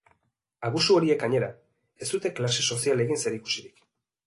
Abusu horiek gainera, ez dute klase sozialekin zerikusirik.